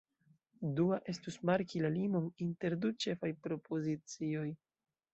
Dua estus marki la limon inter du ĉefaj propozicioj.